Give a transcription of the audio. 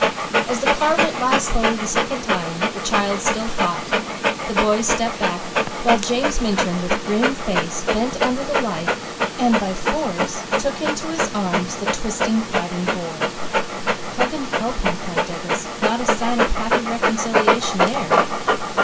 As the car went by slowly the second time, the child still fought, the boy stepped back, while James Minturn with grim face, bent under the light and by force took into his arms the twisting, fighting boy. "Heaven help him!" cried Douglas. "Not a sign of happy reconciliation there!"